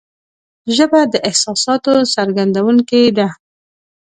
ژبه د احساساتو څرګندونکې ده